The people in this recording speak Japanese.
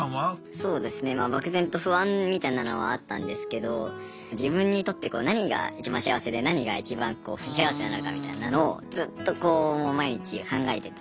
そうですね漠然と不安みたいなのはあったんですけど自分にとって何がいちばん幸せで何がいちばん不幸せなのかみたいなのをずっとこう毎日考えてて。